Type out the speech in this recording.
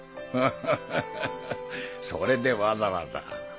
ハハハそれでわざわざ。